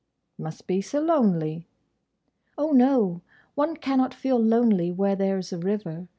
"Must be so lonely." "Oh, no! One cannot feel lonely where there 's a river.